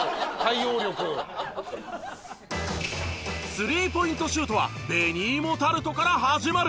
「スリーポイントシュートは紅芋タルトから始まる」。